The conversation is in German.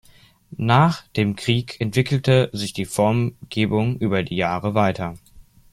Nach dem Krieg entwickelte sich die Formgebung über die Jahre weiter.